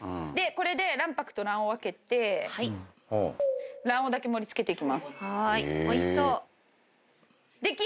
これで卵白と卵黄を分けて卵黄だけ盛り付けていきます。